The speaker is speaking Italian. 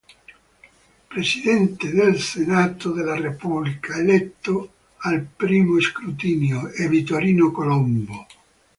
Presidente del Senato della Repubblica, eletto al I scrutinio, è Vittorino Colombo.